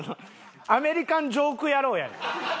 アメリカンジョーク野郎やねん。